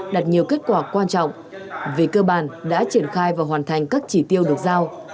đạt nhiều kết quả quan trọng về cơ bản đã triển khai và hoàn thành các chỉ tiêu được giao